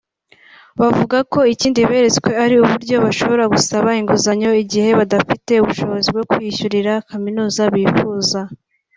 bavuga ko ikindi beretswe ari uburyo bashobora gusaba inguzanyo igihe badafite ubushobozi bwo kwiyishyurira kaminuza bifuza